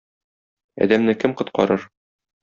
Адәмне кем коткарыр.